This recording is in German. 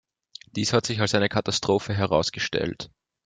Dies hat sich als eine Katastrophe herausgestellt.